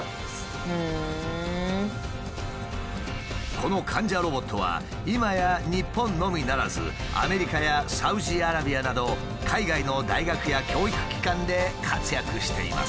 この患者ロボットは今や日本のみならずアメリカやサウジアラビアなど海外の大学や教育機関で活躍しています。